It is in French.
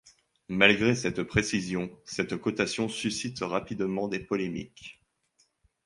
Malgré cette précision, cette cotation suscite rapidement des polémiques.